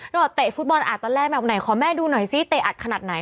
แล้วแบบเตะฟุตบอลอัดตอนแรกแบบไหนขอแม่ดูหน่อยซิเตะอัดขนาดไหน